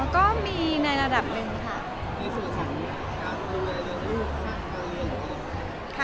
ก็มีในระดับหนึ่งค่ะ